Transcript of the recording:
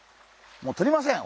もうとりません。